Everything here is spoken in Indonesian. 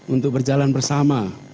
untuk berjalan bersama